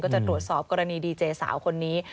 จะตรวจสอบกรณีดีเจสาวคนนี้